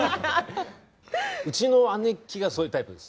うちの姉貴がそういうタイプです。